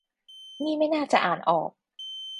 นี่ไม่น่าจะอ่านออก